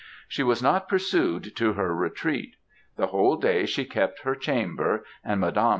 "She was not pursued to her retreat; the whole day she kept her chamber, and Mdme.